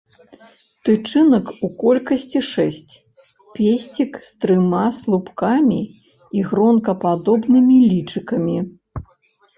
Тычынак у колькасці шэсць, песцік з трыма слупкамі і гронкападобнымі лычыкамі.